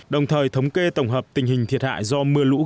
đồng thời thống kê tổng hợp tình hình thiệt hại do mưa lũ gây